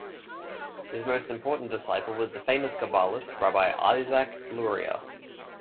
His most important disciple was the famous Kabbalist, Rabbi Isaac Luria.